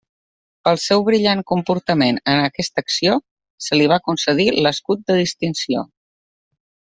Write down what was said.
Pel seu brillant comportament en aquesta acció se li va concedir l'escut de Distinció.